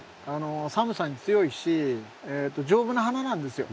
寒さに強いし丈夫な花なんですよ。